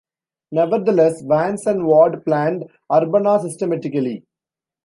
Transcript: Nevertheless, Vance and Ward planned Urbana systematically.